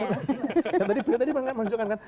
dan tadi pak jokowi menunjukkan kan